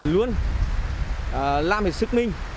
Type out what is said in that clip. luôn làm hết sức minh